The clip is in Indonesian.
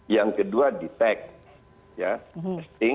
yang kedua detect